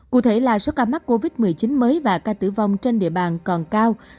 cụ thể là số ca mắc covid một mươi chín mới và ca tử vong trên địa bàn còn cao